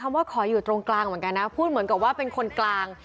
ว่าขออยู่ตรงกลางเหมือนกันนะพูดเหมือนกับว่าเป็นคนกลาง